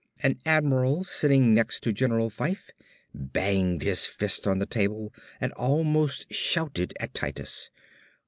An admiral, sitting next to General Fyfe, banged his fist on the table and almost shouted at Titus.